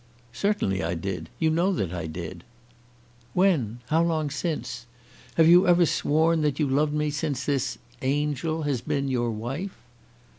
"Certainly I did. You know that I did." "When? How long since? Have you ever sworn that you loved me since this angel has been your wife?"